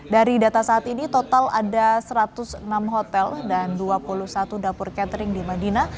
dari data saat ini total ada satu ratus enam hotel dan dua puluh satu dapur catering di madinah